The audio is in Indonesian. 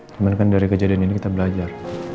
cuman kan dari kejadian ini kita belajar